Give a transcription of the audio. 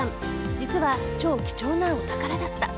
実は、超貴重なお宝だった。